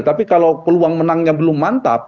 tapi kalau peluang menangnya belum mantap